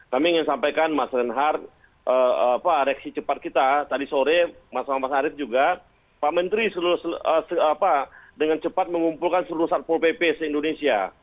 kami ingin sampaikan mas reinhardt reaksi cepat kita tadi sore mas arief juga pak menteri dengan cepat mengumpulkan seluruh satpol pp se indonesia